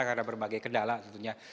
karena berbagai kendala tentunya